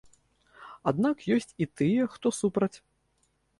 Аднак ёсць і тыя, хто супраць.